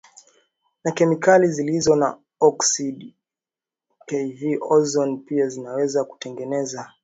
na kemikali zilizo na oksidi kv ozoni pia zinaweza kutengeneza